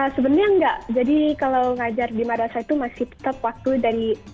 sebenarnya enggak jadi kalau ngajar di madrasah itu masih tetap waktu dari